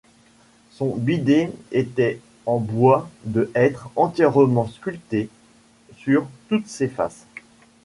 Son bidet était en bois de hêtre entièrement sculpté sur toutes ses faces.